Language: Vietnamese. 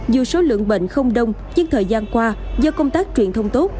dù số lượng bệnh không đông nhưng thời gian qua do công tác truyền thông tốt